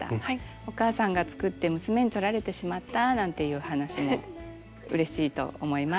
お母さんが作って娘に取られてしまったなんていう話もうれしいと思います。